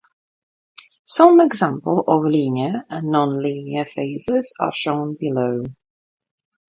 Some examples of linear and non-linear phase are shown below.